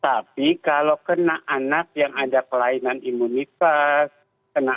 jadi kalau anak anak yang ada kelebihan imunitas